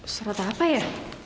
surat apa ya